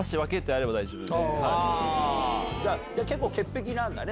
じゃあ結構潔癖なんだね。